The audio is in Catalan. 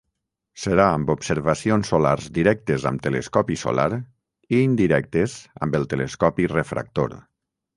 Serà amb observacions solars directes amb telescopi solar i indirectes amb el telescopi refractor.